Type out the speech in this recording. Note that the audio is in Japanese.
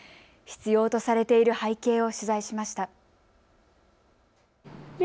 必要とされている背景を取材しました。